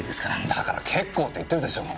だから結構って言ってるでしょ。